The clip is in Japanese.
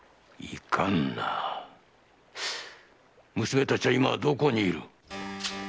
いかんな娘たちは今どこにいる？